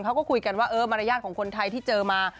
เขาก็คุยกันว่าเออมารยาทของคนไทยที่เจอมา